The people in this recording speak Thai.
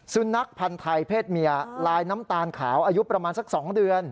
สุนัขพันธ์ไทยเพศเมียลายน้ำตาลขาวอายุประมาณสัก๒เดือน